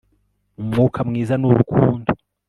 umwuka mwiza nurukundo